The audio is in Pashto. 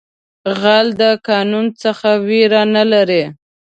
غل د قانون څخه ویره نه لري